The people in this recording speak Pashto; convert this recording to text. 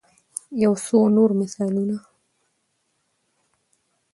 يو څو نور مثالونه